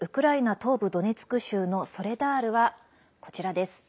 東部ドネツク州のソレダールは、こちらです。